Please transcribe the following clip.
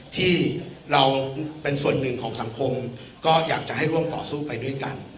ที่เราเป็นส่วนหนึ่งของสังคมก็อยากจะให้ร่วมต่อสู้ไปด้วยกัน